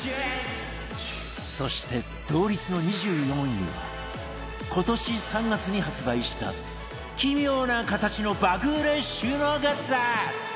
そして同率の２４位は今年３月に発売した奇妙な形の爆売れ収納グッズ